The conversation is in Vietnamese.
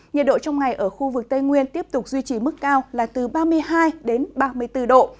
nhiệt độ trong ngày ở khu vực tây nguyên tiếp tục duy trì mức cao là từ ba mươi hai ba mươi bốn độ